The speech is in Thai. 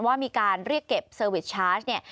ว่ามีการเรียกเก็บเซอร์วิสชาร์จเนี่ย